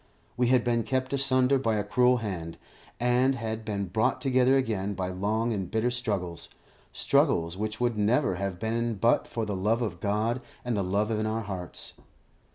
We had been kept asunder by a cruel hand, and had been brought together again by long and bitter struggles, struggles which would never have been but for the love of God and the love in our hearts.